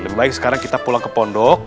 lebih baik sekarang kita pulang ke pondok